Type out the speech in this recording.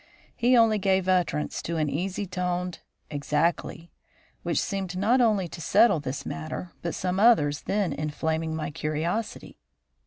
He only gave utterance to an easy toned, "Exactly!" which seemed not only to settle this matter, but some others then inflaming my curiosity.